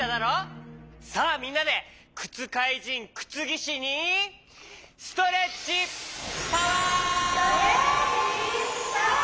さあみんなでくつかいじんクツギシにストレッチパワー！